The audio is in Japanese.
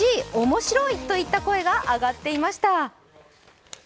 面白いといった声が上がっていました。